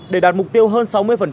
để đạt mục tiêu hơn sáu mươi